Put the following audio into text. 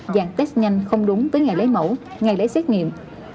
vàng test nhanh không đúng tới ngày lấy mẫu ngày lấy xét nghiệm